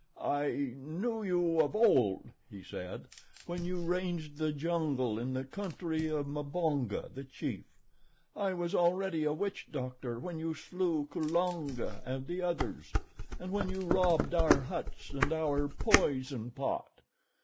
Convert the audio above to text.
"I knew you of old," he said, "when you ranged the jungle in the country of Mbonga, the chief. I was already a witch doctor when you slew Kulonga and the others, and when you robbed our huts and our poison pot.